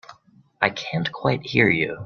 I can't quite hear you.